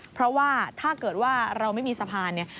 เพราะว่าถ้าเกิดว่าเราไม่มีสะพานเนี่ย